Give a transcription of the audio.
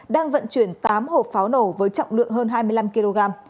đang vận chuyển tám hộp pháo nổ với trọng lượng hơn hai mươi năm kg